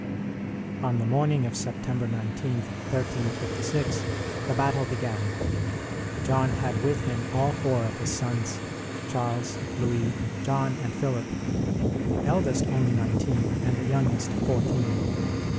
On the morning of September 19,1356, the battle began. John had with him all four of his sons, Charles, Louis, John and Philip; the eldest only nineteen, and the youngest fourteen.